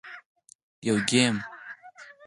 - یو ګېم 🎮